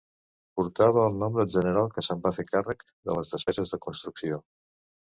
Portava el nom del general que se'n va fer càrrec de les despeses de construcció.